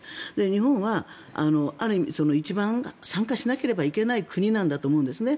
日本はある意味一番参加しなければいけない国なんだと思うんですね。